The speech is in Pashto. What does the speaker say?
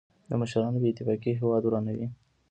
د مشرانو بې اتفاقي هېواد ورانوي.